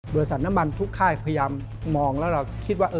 สัตว์น้ำมันทุกค่ายพยายามมองแล้วเราคิดว่า